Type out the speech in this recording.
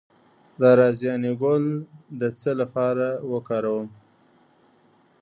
د رازیانې ګل د څه لپاره وکاروم؟